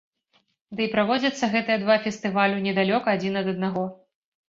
Ды і праводзяцца гэтыя два фестывалю недалёка адзін ад аднаго.